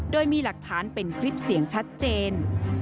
โดยมีหลักฐานเป็นคลิปเสียงชัดเจน